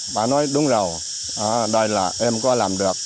phải nói đúng rồi đây là em có làm được